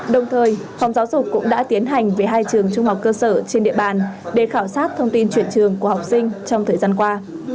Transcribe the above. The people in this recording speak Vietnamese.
đồng thời phòng giáo dục cũng đã tiến hành về hai trường trung học cơ sở trên địa bàn để khảo sát thông tin chuyển trường của học sinh trong thời gian qua